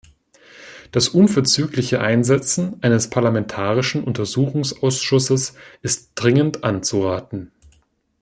Das unverzügliche Einsetzen eines parlamentarischen Untersuchungsausschusses ist dringend anzuraten.